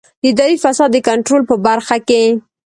د اداري فساد د کنټرول په برخه کې.